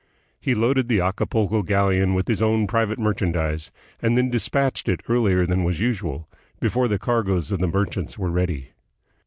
He loaded the Acapulco galleon with his own private merchandise, and then dispatched it earlier than was usual, before the cargoes of the merchants were ready.